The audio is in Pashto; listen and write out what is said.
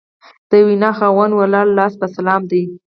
د وینا خاوند ولاړ لاس په سلام دی